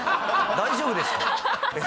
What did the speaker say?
大丈夫ですか？